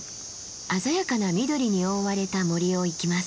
鮮やかな緑に覆われた森を行きます。